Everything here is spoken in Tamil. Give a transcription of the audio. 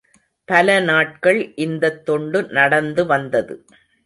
பல நாட்கள் இந்தத் தொண்டு நடந்துவந்தது.